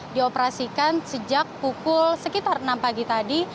dioperasikan sejak pukul sekitar enam pagi tadi